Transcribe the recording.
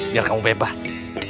biar kamu bebas